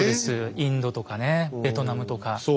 インドとかねベトナムとか。